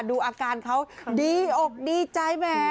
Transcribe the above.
ดูอาการเขาดีอกดีใจแหม